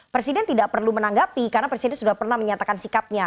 presiden tidak perlu menanggapi karena presiden sudah pernah menyatakan sikapnya